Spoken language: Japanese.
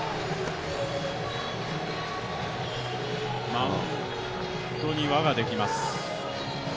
マウンドに輪ができます。